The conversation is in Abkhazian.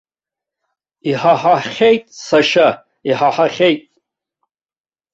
Иҳаҳахьеит, сашьа, иҳаҳахьеит.